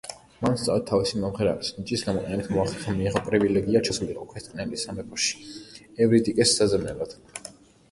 მან სწორედ თავისი მომღერალის ნიჭის გამოყენებით მოახერხა მიეღო პრივილეგია ჩასულიყო ქვესკნელის სამეფოში ევრიდიკეს საძებნელად.